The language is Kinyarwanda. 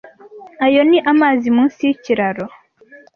Ayo ni amazi munsi yikiraro.